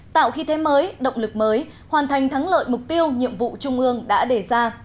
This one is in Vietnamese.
tạo khí thế mới động lực mới hoàn thành thắng lợi mục tiêu nhiệm vụ trung ương đã đề ra